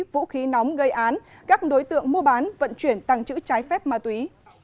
vũ khí nóng gây án các đối tượng mua bán vận chuyển tăng trữ trái phép ma túy